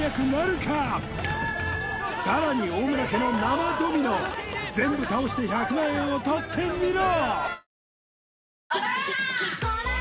さらに大村家の生ドミノ全部倒して１００万円をとってみろ！